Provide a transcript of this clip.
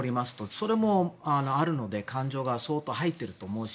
それもあるので感情が相当入っていると思うし。